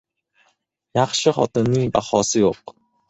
• Yaxshi xotinning bahosi yo‘q.